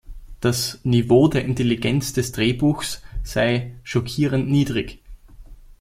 Das „"Niveau der Intelligenz des Drehbuchs"“ sei „"schockierend niedrig"“.